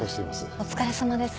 お疲れさまです。